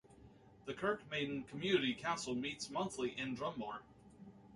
The Kirkmaiden Community Council meets monthly in Drummore.